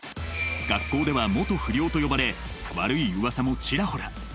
学校では「元不良」と呼ばれ悪いうわさもちらほら。